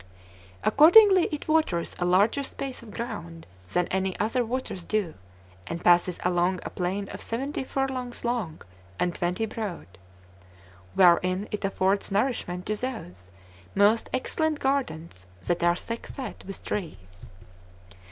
Accordingly, it waters a larger space of ground than any other waters do, and passes along a plain of seventy furlongs long, and twenty broad; wherein it affords nourishment to those most excellent gardens that are thick set with trees.